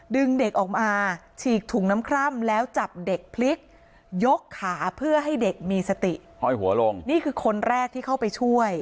ดึงเด็กออกมาฉีกถุงน้ำคร่ำแล้วจับเด็กพลิกยกขาเพื่อให้เด็กมีสติห้อยหัวลงนี่คือคนแรกที่เข้าไปช่วย